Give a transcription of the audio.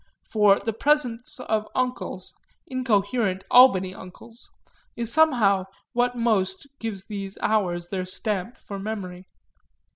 For the presence of uncles, incoherent Albany uncles, is somehow what most gives these hours their stamp for memory.